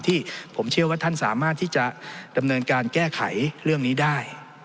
ที่ผมเชื่อว่าท่านสามารถที่จะดำเนินการแก้ไขเรื่องนี้ได้